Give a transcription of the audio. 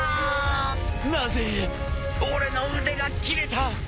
なぜ俺の腕が斬れた。